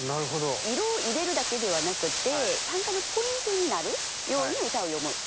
色を入れるだけではなくて短歌のポイントになるように歌を詠むっていうことになります。